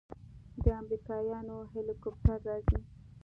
د امريکايانو هليكاپټر راځي.